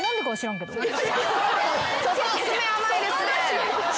詰め甘いですね。